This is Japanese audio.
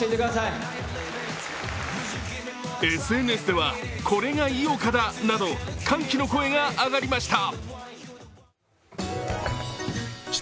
ＳＮＳではこれが井岡だ！など歓喜の声が上がりました。